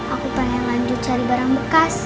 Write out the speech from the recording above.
aku pengen lanjut cari barang bekas